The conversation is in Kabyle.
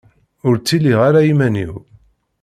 Ur ttiliɣ ara iman-iw.